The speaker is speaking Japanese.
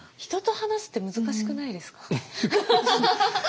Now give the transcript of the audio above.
人と話すって難しくないですか？